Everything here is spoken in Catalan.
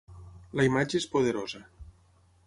La imatge és poderosa.